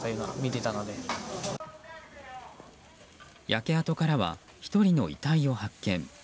焼け跡からは１人の遺体を発見。